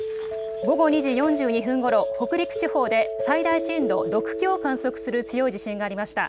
午後２時４２分ごろ、北陸地方で最大震度６強を観測する強い地震がありました。